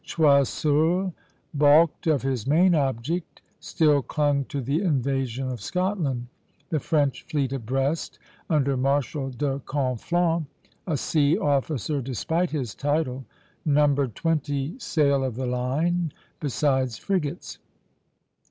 Choiseul, balked of his main object, still clung to the invasion of Scotland. The French fleet at Brest, under Marshal de Conflans, a sea officer despite his title, numbered twenty sail of the line, besides frigates.